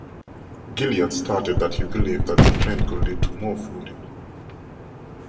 Gilliard stated that he believed that the plan could lead to more flooding.